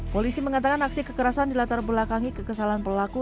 polisi mengatakan aksi kekerasan di latar belakangi kekesalan pelaku